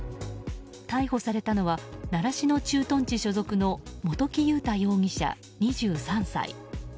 逮捕されたのは習志野駐屯地所属の元木悠太容疑者、２３歳。